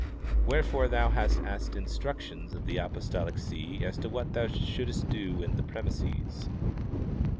Wherefore thou hast asked instructions of the apostolic see as to what thou shouldst do in the premises.